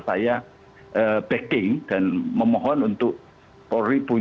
saya berpikirnya itu adalah hal yang harus diperlukan